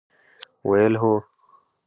ویل ، هو!